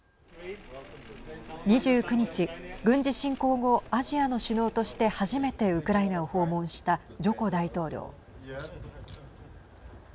２９日、軍事侵攻後アジアの首脳として初めてウクライナを訪問したジョコ大統領。